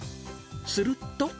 すると。